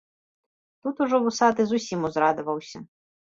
Тут ужо вусаты зусім узрадаваўся.